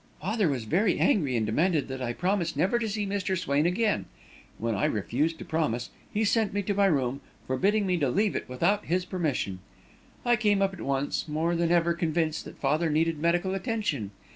"Father was very angry, and demanded that I promise never to see Mr. Swain again. When I refused to promise, he sent me to my room, forbidding me to leave it without his permission. I came up at once, more than ever convinced that father needed medical attention.